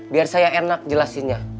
biar saya enak jelasinnya